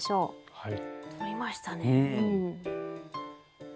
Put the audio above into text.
はい。